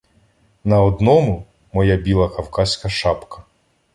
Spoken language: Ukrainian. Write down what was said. На одному — моя біла кавказька шапка.